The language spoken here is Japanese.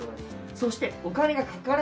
そしてお金がかからない。